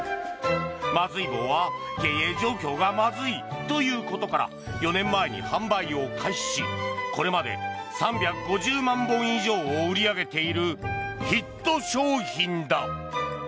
まずい棒は経営状況がまずいということから４年前に販売を開始しこれまで３５０万本以上を売り上げているヒット商品だ。